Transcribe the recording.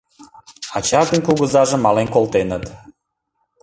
Ачаж ден кугызаже мален колтеныт.